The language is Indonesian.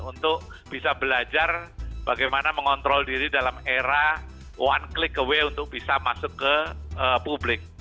untuk bisa belajar bagaimana mengontrol diri dalam era one click away untuk bisa masuk ke publik